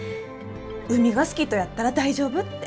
「海が好きとやったら大丈夫」って。